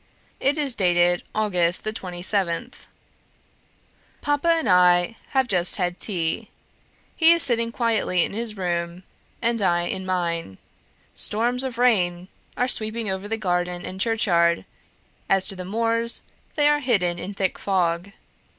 It is dated August the 27th. "Papa and I have just had tea; he is sitting quietly in his room, and I in mine; 'storms of rain' are sweeping over the garden and churchyard: as to the moors, they are hidden in thick fog.